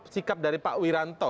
sikap dari pak wiranto